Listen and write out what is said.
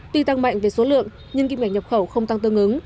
tuy tăng mạnh về số lượng nhưng kim ngạch nhập khẩu không tăng tương ứng